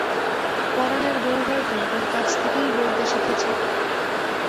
পরাণের বৌ হয়তো তোর কাছ থেকেই বলতে শিখেছে।